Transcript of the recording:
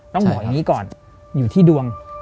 ต้องบอกอย่างนี้ก่อนอยู่ที่ดวง